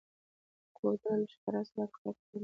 کوتره له ښکار سره کرکه لري.